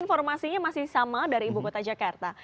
informasinya masih sama dari ibu kota jakarta